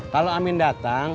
kalau amin datang